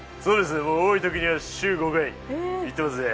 多いときには週５回行ってますね。